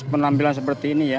penampilan seperti ini ya